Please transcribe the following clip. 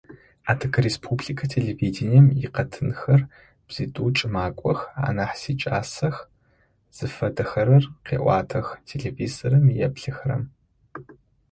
Адыгэ республикэ телевидением икъэтынхэр бзитӀукӀэ макӀох, анахь сикӀасэх, зыфэдэхэр къеӀуатэх, телевизорым еплъыхэрэм.